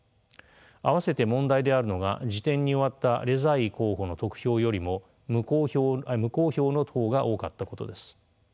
併せて問題であるのが次点に終わったレザイ候補の得票よりも無効票の方が多かったことです。